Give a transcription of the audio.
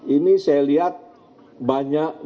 ini saya lihat banyak